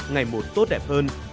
ngày một tốt đẹp hơn